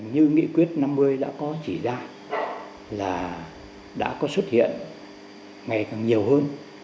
như nghị quyết năm mới đã có chỉ ra là đã có xuất hiện ngày càng nhiều hơn